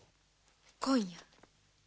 今夜。